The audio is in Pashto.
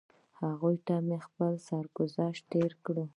هغوی ته مې خپل سرګذشت تېر کړ.